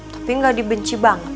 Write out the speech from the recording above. tapi gak dibenci banget